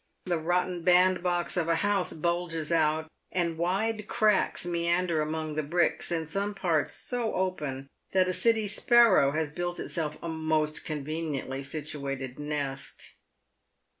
The rotten bandbox of a house bulges out, and wide cracks meander among the bricks, in some parts so open that a city sparrow has built itself a most conveniently situated nest.